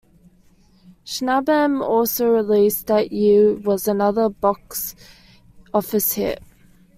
"Shabnam" also released that year was another box office hit.